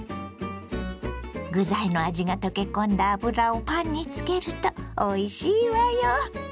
具材の味が溶け込んだ油をパンにつけるとおいしいわよ！